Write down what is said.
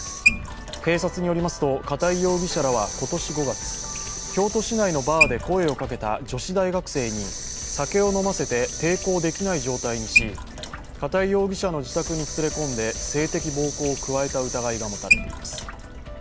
警察によりますと片井容疑者らは今年５月、京都市内のバーで声をかけた女子大学生に酒を飲ませて抵抗できない状態にし、片井容疑者の自宅に連れ込んで性的暴行を加えた疑いが持たれています。